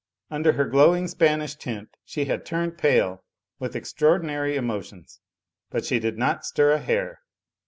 Under her glowing Spanish tint she had turned pale with extraordinary emotions, but she did not stir a hair.